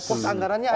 post anggarannya ada